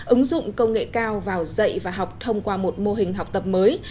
ứng dụng công nghệ cao vào dạy và học thông qua một mô hình học tập mới